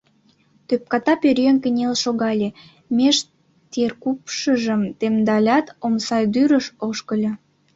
Тӧпката пӧръеҥ кынел шогале, меж теркупшыжым темдалят, омсадӱрыш ошкыльо.